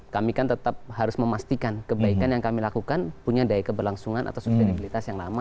kami kan tetap harus memastikan kebaikan yang kami lakukan punya daya keberlangsungan atau subsedibilitas yang lama